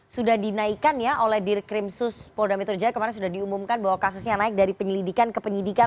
sudah dinaikkan ya oleh dirkrimsus polda metro jaya kemarin sudah diumumkan bahwa kasusnya naik dari penyelidikan ke penyidikan